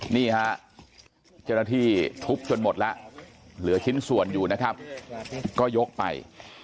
นี่ฮะเจ้าหน้าที่ทุบจนหมดแล้วเหลือชิ้นส่วนอยู่นะครับก็ยกไป